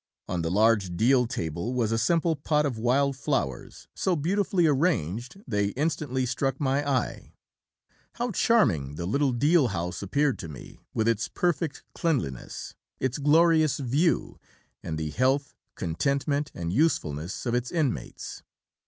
On the large deal table was a simple pot of wild flowers, so beautifully arranged, they instantly struck my eye. How charming the little deal house appeared to me, with its perfect cleanliness, its glorious view, and the health, contentment, and usefulness of its inmates!